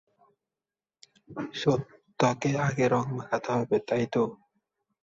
সত্যাকে আগে রং মাখাতে হবে, তাইতো?